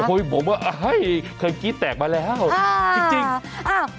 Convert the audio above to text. โอ้โฮผมว่าเคยกินแตกมาแล้วจริง